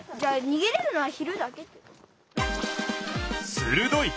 するどい！